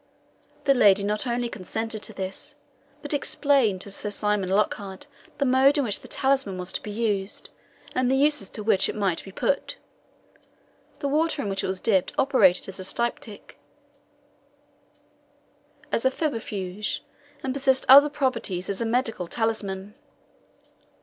The lady not only consented to this, but explained to Sir Simon Lockhart the mode in which the talisman was to be used, and the uses to which it might be put. The water in which it was dipped operated as a styptic, as a febrifuge, and possessed other properties as a medical talisman.